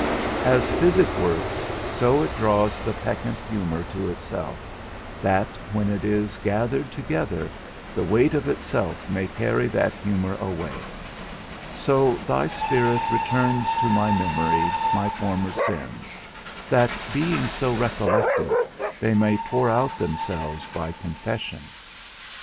As physic works, so it draws the peccant humour to itself, that, when it is gathered together, the weight of itself may carry that humour away; so thy Spirit returns to my memory my former sins, that, being so recollected, they may pour out themselves by confession.